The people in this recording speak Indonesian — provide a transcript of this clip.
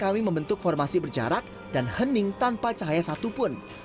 kami membentuk formasi berjarak dan hening tanpa cahaya satupun